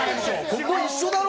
ここ一緒だろ？